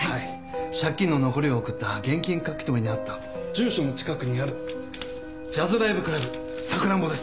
借金の残りを送った現金書留にあった住所の近くにあるジャズライブクラブさくらんぼです。